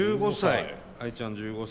アイちゃん１５歳。